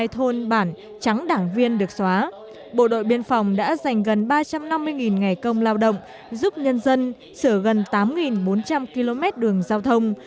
hai mươi thôn bản trắng đảng viên được xóa bộ đội biên phòng đã dành gần ba trăm năm mươi ngày công lao động giúp nhân dân sửa gần tám bốn trăm linh km đường giao thông